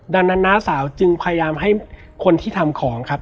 ดังนั้นน้าสาวจึงพยายามให้คนที่ทำของครับ